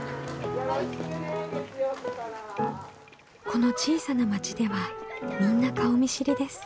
この小さな町ではみんな顔見知りです。